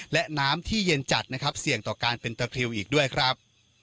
และน้ำที่เย็นจัดนะครับเสี่ยงต่อการเป็นตะคริวอีกด้วยครับ